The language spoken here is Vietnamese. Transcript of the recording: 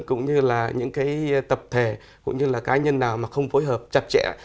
cũng như là những cái tập thể cũng như là cá nhân nào mà không phối hợp chặt chẽ